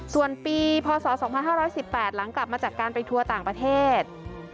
ส่วนปีพศ๒๕๑๘หลังกลับมาจากการไปทัวร์ต่างประเทศ